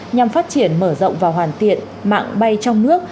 nhằm phát triển mở rộng và hoàn thiện mạng bay trong nước